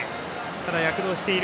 ただ躍動している。